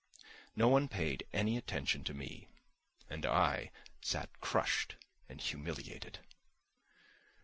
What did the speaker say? No one paid any attention to me, and I sat crushed and humiliated.